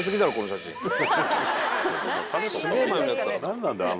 何なんだよ